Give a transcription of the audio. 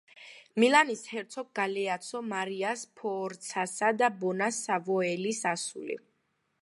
მილანის ჰერცოგ გალეაცო მარია სფორცასა და ბონა სავოიელის ასული.